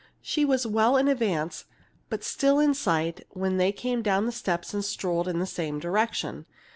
She was well in advance, but still in sight, when they came down the steps and strolled in the same direction.